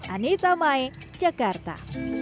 anita mai jakarta